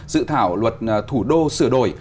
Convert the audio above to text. dự thảo luật thủ đô sửa đổi